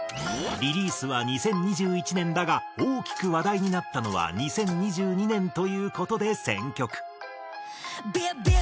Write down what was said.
リリースは２０２１年だが大きく話題になったのは２０２２年という事で選曲。